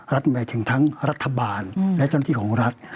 หมายถึงทั้งรัฐบาลและเจ้าหน้าที่ของรัฐ